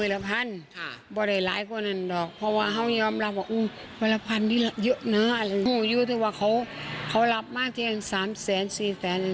เลี้ยงหมาจนจัดประมาณสองสามร้อยตัว